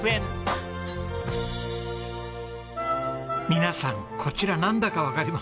皆さんこちらなんだかわかりますか？